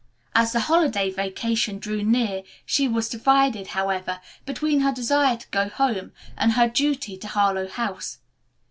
As the holiday vacation drew near she was divided, however, between her desire to go home and her duty to Harlowe House.